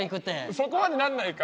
そこはなんないか。